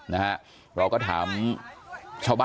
สวัสดีครับ